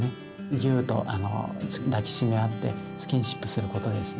ギューッと抱き締め合ってスキンシップすることでですね